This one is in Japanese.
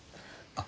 あ。